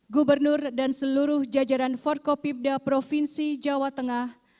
gubernur dan seluruh jajaran forkopibda provinsi jawa tengah